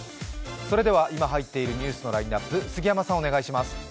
それでは今入っているニュースのラインナップ、杉山さんお願いします。